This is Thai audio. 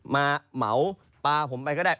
เหมาปลาผมไปก็ได้